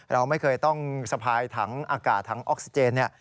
เราไม่เคยต้องสะพายทั้งอากาศทั้งออกซิเจน